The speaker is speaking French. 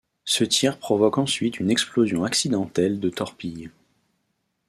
Ce tir provoque ensuite une explosion accidentelle de torpille.